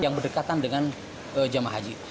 yang berdekatan dengan jemaah haji